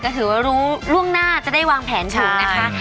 ก็ถือว่ารู้ล่วงหน้าจะได้วางแผนถูกนะคะ